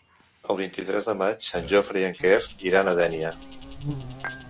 El vint-i-tres de maig en Jofre i en Quer iran a Dénia.